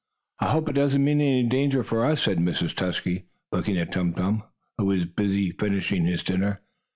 "I hope it doesn't mean any danger for us," said Mrs. Tusky, looking at Tum Tum, who was busy finishing his dinner.